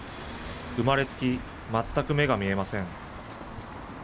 生まれつき、全く目が見えません。